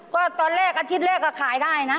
ก็ตอนแรกอาทิตย์แรกก็ขายได้นะ